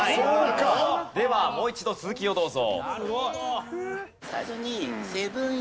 ではもう一度続きをどうぞ。